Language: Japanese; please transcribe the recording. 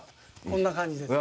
こんな感じです。